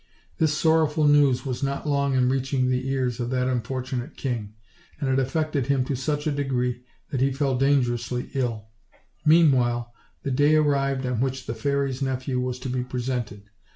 This sorrowful news was not long in reaching the ears of that unfortu nate king, and it affected him to such a degree that he fell dangerously ill. Meanwhile, the day arrived on which the fairy's nephew was to be presented.